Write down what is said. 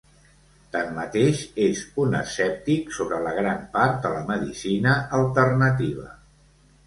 Tanmateix, és un escèptic sobre gran part de la medicina alternativa.